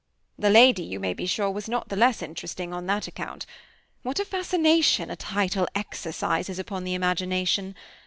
The lady, you may be sure, was not the less interesting on that account. What a fascination a title exercises upon the imagination!